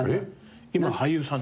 今は俳優さん。